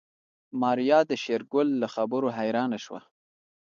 ماريا د شېرګل له خبرو حيرانه شوه.